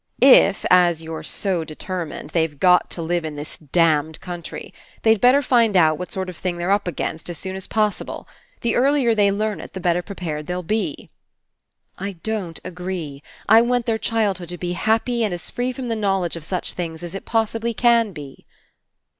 If, as you're so determined, they've got to live in this damned country, they'd better find out what 191 PASSING sort of thing they're up against as soon as pos sible. The earlier they learn it, the better pre pared they'll be." "I don't agree. I want their childhood to be happy and as free from the knowledge of such things as It possibly can be."